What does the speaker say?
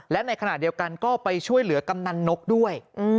และในขณะเดียวกันก็ไปช่วยเหลือกำนันนกด้วย